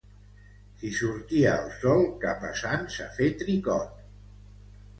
Si sortia el sol, cap a Sants a fer tricot.